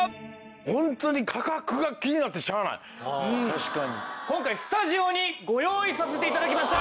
ホントに今回スタジオにご用意させて頂きました。